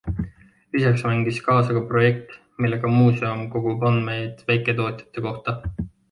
Lisaks mängis kaasa ka projekt, millega muuseum kogub andmeid väiketootjate kohta.